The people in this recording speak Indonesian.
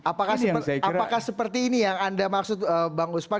apakah seperti ini yang anda maksud bang usman